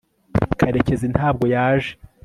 karekezi ntabwo yaje